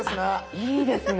いいですね。